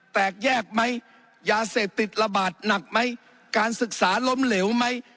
แตกแยกไหมยาเสพติดระบาดหนักไหมการศึกษาล้มเหลวไหม